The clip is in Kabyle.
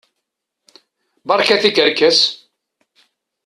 Berka tikerkas!